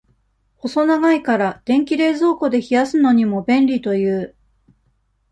細長いから、電気冷蔵庫で冷やすのにも、便利という。